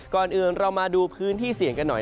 ก่อนอื่นเรามาดูพื้นที่เสี่ยงกันหน่อย